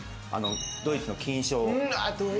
ドイツの金賞。